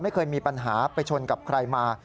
ไม่เคยมีปัญหาไปชนกับใครมา